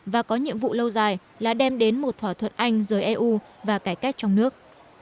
và có nhiệm vụ lâu dài là đem đến một thỏa thuận anh giữa eu và cải cách trong nước